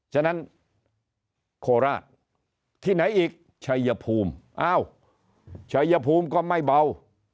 ฉะนั้นโคราชที่ไหนอีกชัยภูมิอ้าวชัยภูมิก็ไม่เบา